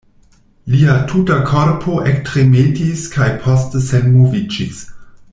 Lia tuta korpo ektremetis kaj poste senmoviĝis.